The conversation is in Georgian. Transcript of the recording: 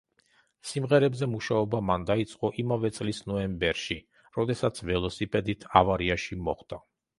სიმღერებზე მუშაობა მან დაიწყო იმავე წლის ნოემბერში, როდესაც ველოსიპედით ავარიაში მოხვდა.